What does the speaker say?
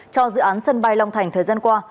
cho dự án sân bay long thành thời gian qua